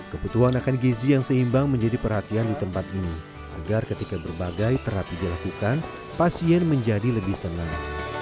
kebutuhan akan gizi yang seimbang menjadi perhatian di tempat ini agar ketika berbagai terapi dilakukan pasien menjadi lebih tenang